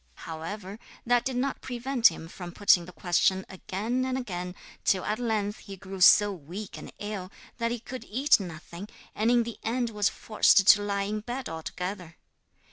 However, that did not prevent him from putting the question again and again, till at length he grew so weak and ill that he could eat nothing, and in the end was forced to lie in bed altogether.